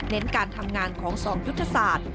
เน้นการทำงานของสองยุทธศาสตร์